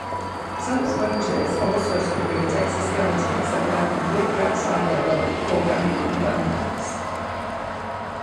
Some sponges also secrete exoskeletons that lie completely outside their organic components.